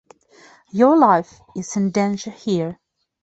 Your life is in danger here.